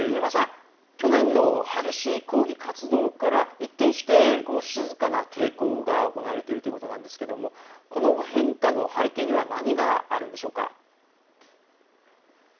去年の激しい抗議活動から一転して、静かな抵抗が行われているということですけどこの変化の背景には何があるんでしょうか。